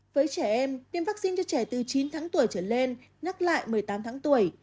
với trẻ em tiêm vaccine cho trẻ từ chín tháng tuổi trở lên nhắc lại một mươi tám tháng tuổi